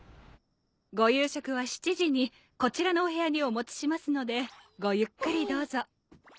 ご夕食は７時にこちらのお部屋にお持ちしますのでごゆっくりどうぞ。